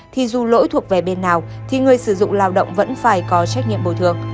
thì dù lỗi thuộc về bên nào thì người sử dụng lao động vẫn phải có trách nhiệm bồi thường